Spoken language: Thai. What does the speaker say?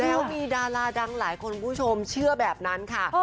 แล้วมีดาราดังหลายคนคุณผู้ชมเชื่อแบบนั้นค่ะ